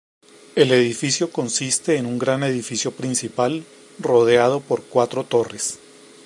El edificio consiste en un gran edificio principal, rodeado por cuatro torres.